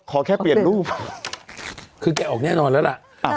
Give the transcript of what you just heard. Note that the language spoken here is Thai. ขอแค่เปลี่ยนรูปคือแกออกแน่นอนแล้วล่ะ